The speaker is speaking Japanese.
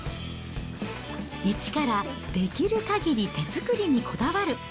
一から、できるかぎり手作りにこだわる。